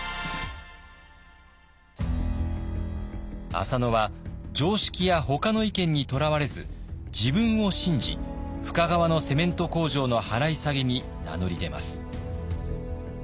浅野は常識やほかの意見にとらわれず自分を信じ深川のセメント工場の払い下げに名乗り出ます。